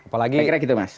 saya kira gitu mas